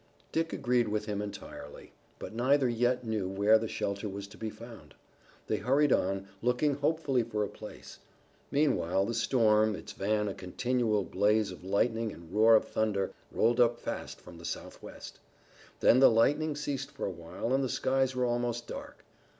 Dick agreed with him entirely, but neither yet knew where the shelter was to be found. They hurried on, looking hopefully for a place. Meanwhile the storm, its van a continual blaze of lightning and roar of thunder, rolled up fast from the southwest. Then the lightning ceased for a while and the skies were almost dark.